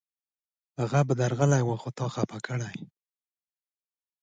هغه به درغلی وای، خو تا خوابدی کړی و